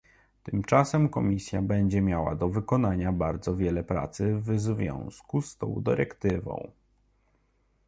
Tymczasem Komisja będzie miała do wykonania bardzo wiele pracy w związku z tą dyrektywą